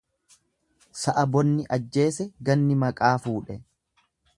Sa'a bonni ajjeese ganni maqaa fuudhe.